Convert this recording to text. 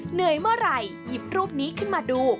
เหนื่อยเมื่อไหร่หยิบรูปนี้ขึ้นมาดู